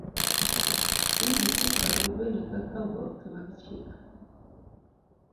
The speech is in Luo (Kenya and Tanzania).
Inyalo ti kodgi bende kaka oboke mag chik.